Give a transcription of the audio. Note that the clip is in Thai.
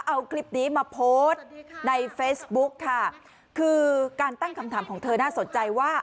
เอาคลิปนี้มาโพสต์ในเฟซบุ๊กค่ะคือการตั้งคำถามของเธอน่าสนใจว่า